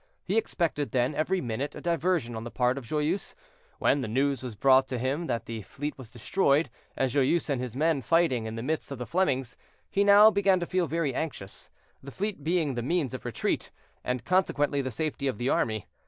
He expected, then, every minute a diversion on the part of Joyeuse, when the news was brought to him that the fleet was destroyed, and Joyeuse and his men fighting in the midst of the Flemings. He now began to feel very anxious, the fleet being the means of retreat, and consequently the safety of the army.